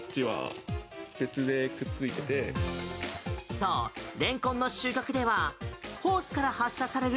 そう、レンコンの収穫ではホースから発射される